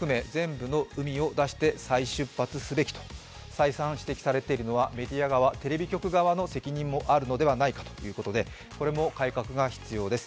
再三指摘されているのはメディア側、テレビ側の責任もあるのではないかと、これも改革が必要です。